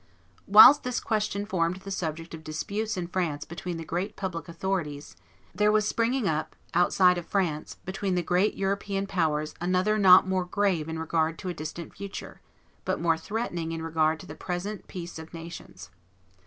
Whilst this question formed the subject of disputes in France between the great public authorities, there was springing up, outside of France, between the great European powers another not more grave in regard to a distant future, but more threatening in regard to the present peace of nations.